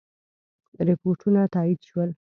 رپوټونه تایید شول.